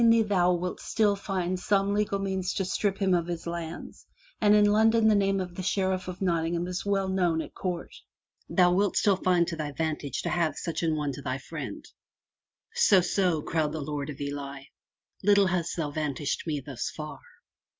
I ween thou wilt still find some legal means to strip him of his lands, and in London the name of the Sheriff of Notting ham is well known at court. Thou wilt still find it to thy vantage to have such an one to thy friend/* '*So, so,'' growled the Lord of Ely, * little hast thou vantaged me thus far!''